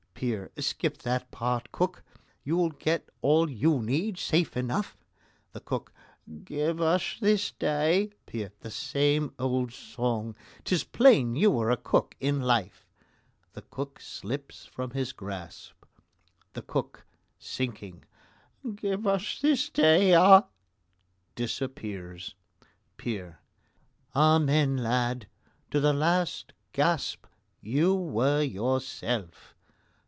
PEER: Skip that part, Cook. You'll get all you need, safe enough. THE COOK: Give us this day PEER: The same old song! 'Tis plain you were a cook in life (THE COOK slips from his grasp.) THE COOK (sinking): Give us this day our (Disappears.) PEER: Amen, lad! To the last gasp you were yourself.